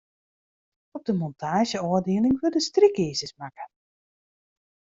Op de montaazjeôfdieling wurde strykizers makke.